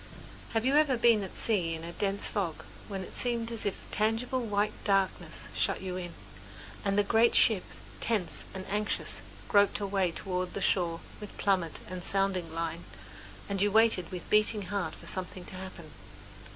Have you ever been at sea in a dense fog, when it seemed as if a tangible white darkness shut you in, and the great ship, tense and anxious, groped her way toward the shore with plummet and sounding line, and you waited with beating heart for something to happen?